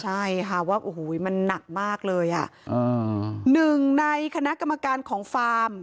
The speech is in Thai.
ใช่ค่ะว่ามันนักมากเลยหนึ่งในคณะกรรมการของฟาร์ม